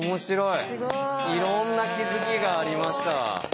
いろんな気づきがありました。